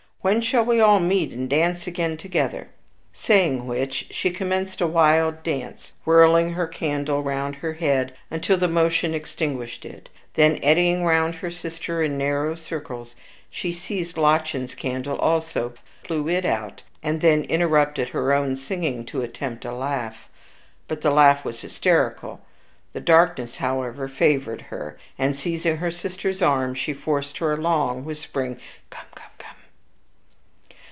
When shall we all meet and dance again together?" Saying which, she commenced a wild dance, whirling her candle round her head until the motion extinguished it; then, eddying round her sister in narrowing circles, she seized Lottchen's candle also, blew it out, and then interrupted her own singing to attempt a laugh. But the laugh was hysterical. The darkness, however, favored her; and, seizing her sister's arm, she forced her along, whispering, "Come, come, come!"